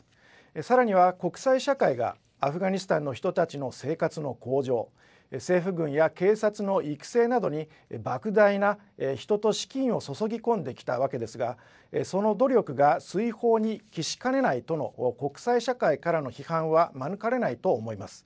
さらには、国際社会がアフガニスタンの人たちの生活の向上、政府軍や警察の育成などにばく大な人と資金を注ぎ込んできたわけですが、その努力が水泡に帰しかねないとの国際社会からの批判は免れないと思います。